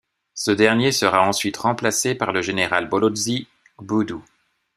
Ce dernier sera ensuite remplacé par le général Bolozi Gbudu.